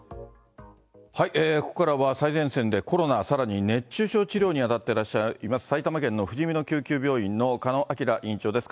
ここからは最前線でコロナ、さらに熱中症治療に当たっていらっしゃいます、埼玉県のふじみの救急病院の鹿野晃院長です。